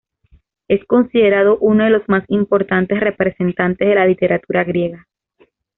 Es considerado uno de los más importantes representantes de la literatura griega.